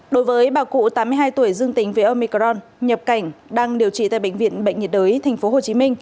đối với bà cụ tám mươi hai tuổi dương tính với omicron nhập cảnh đang điều trị tại bệnh viện bệnh nhiệt đới tp hcm